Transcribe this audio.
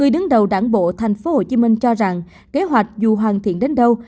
đứng đầu đảng bộ tp hcm cho rằng kế hoạch dù hoàn thiện đến đâu